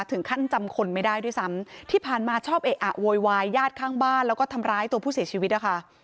ถึงขั้นจำคนไม่ได้ด้วยซ้ำที่ผ่านมาชอบเอะอะโวยวายญาติข้างบ้านแล้วก็ทำร้ายตัวผู้เสียชีวิตนะคะ